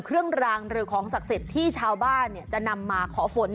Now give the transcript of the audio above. ถือประหลัดมาด้วย